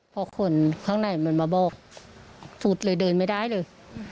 พอคนข้างในมันมาบอกฟุตเลยเดินไม่ได้เลย